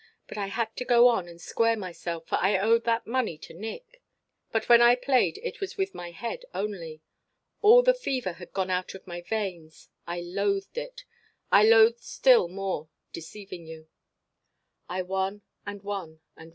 But I had to go on and square myself, for I owed that money to Nick. But when I played it was with my head only. All the fever had gone out of my veins. I loathed it. I loathed still more deceiving you. "I won and won and won.